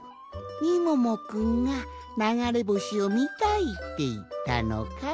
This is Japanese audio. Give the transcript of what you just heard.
みももくんがながれぼしをみたいっていったのかい？